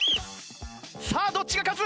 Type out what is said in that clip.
さあどっちが勝つ？